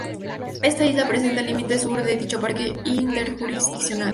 Esta isla representa el límite sur de dicho Parque Interjurisdiccional.